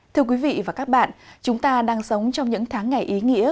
thưa quý vị và các bạn chúng ta đang sống trong những tháng ngày ý nghĩa